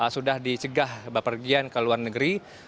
sudah dicegah bepergian ke luar negeri